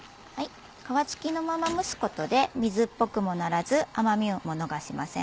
皮付きのまま蒸すことで水っぽくもならず甘みも逃しません。